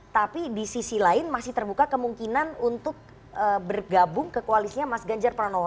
tapi di sisi lain masih terbuka kemungkinan untuk bergabung ke koalisnya mas ganjar pranowo